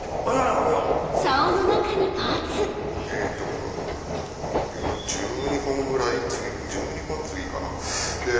これは１２本ぐらい１２本継ぎかな。